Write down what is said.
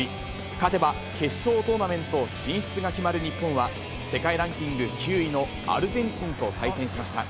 勝てば決勝トーナメント進出が決まる日本は、世界ランキング９位のアルゼンチンと対戦しました。